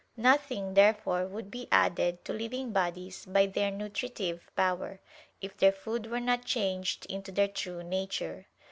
Nothing, therefore, would be added to living bodies by their nutritive power, if their food were not changed into their true nature.